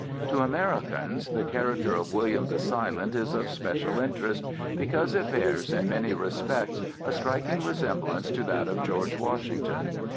To Americans the character of William the Silent is of special interest because it bears, in many respects, a striking resemblance to that of George Washington.